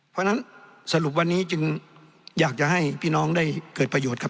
เพราะฉะนั้นสรุปวันนี้จึงอยากจะให้พี่น้องได้เกิดประโยชน์ครับ